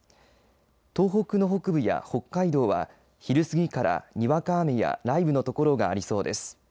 東北の北部や北海道は昼過ぎから、にわか雨や雷雨の所がありそうです。